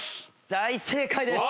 大正解です。